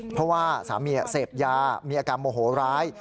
เพราะว่าสามีเสพยามีอาการโมโหร้าย